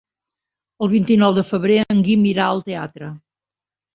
El vint-i-nou de febrer en Guim irà al teatre.